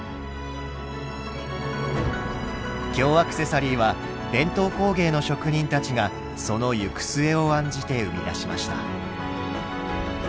京アクセサリーは伝統工芸の職人たちがその行く末を案じて生み出しました。